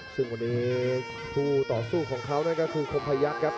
ซึ่งวันนี้คู่ต่อสู้ของเขานั่นก็คือคมพยักษ์ครับ